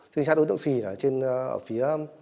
trinh sát đối tượng sì